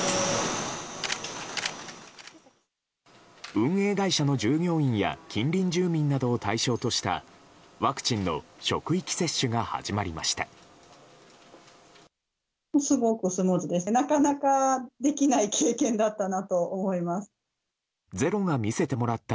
運営会社の従業員や近隣住民を対象としたワクチンの職域接種が始まりました。